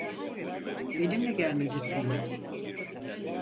Benimle gelmelisiniz.